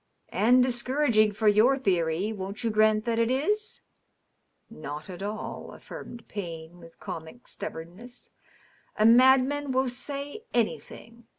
" And discouraging for your theory ; won't you grant that it is?" "Not at all," affirmed Payne, with comic stubbornness. "A mad man will say anything.